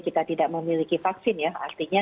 kita tidak memiliki vaksin ya artinya